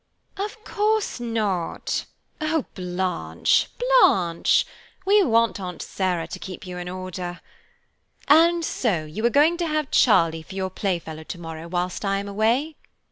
"Of course not. Oh, Blanche! Blanche! we want Aunt Sarah to keep you in order. And so you are going to have Charlie for your playfellow to morrow whilst I am away?"